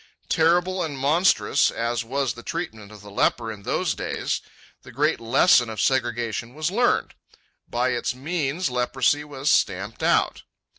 Terrible and monstrous as was the treatment of the leper in those days, the great lesson of segregation was learned. By its means leprosy was stamped out.